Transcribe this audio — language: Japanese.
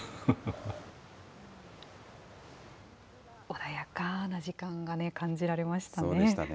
穏やかな時間がね、感じられましたね。